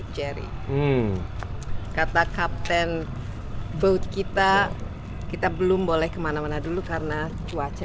jerry kata kapten boat kita kita belum boleh kemana mana dulu karena cuaca